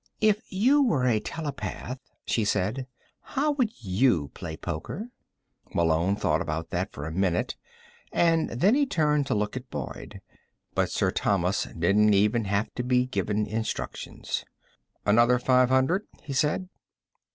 "If you were a telepath," she said, "how would you play poker?" Malone thought about that for a minute, and then turned to look for Boyd. But Sir Thomas didn't even have to be given instructions. "Another five hundred?" he said.